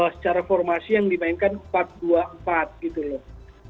secara formasi yang dimainkan empat dua empat gitu loh